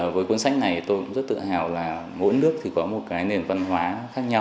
với cuốn sách này tôi cũng rất tự hào là mỗi nước có một nền văn hóa khác nhau